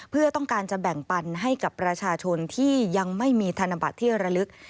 เพื่อต้องการจะแบ่งปันให้กับประชาชนที่ยังไม่มีธนบัตรที่ระลึก